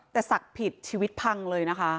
แต่ศักดิ์ผิดชีวิตพังเลยนะคะ